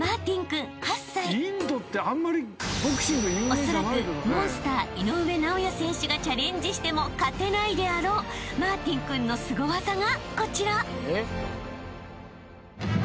［おそらくモンスター井上尚弥選手がチャレンジしても勝てないであろうマーティン君のスゴ技がこちら］